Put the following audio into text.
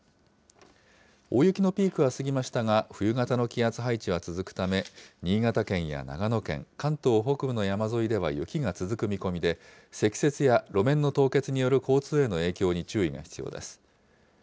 大雪のピークは過ぎましたが、冬型の気圧配置は続くため、新潟県や長野県、関東北部の山沿いでは雪が続く見込みで、積雪や路面の凍結による交通への影響に注意が必要です。